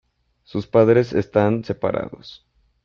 Sus padres están separados.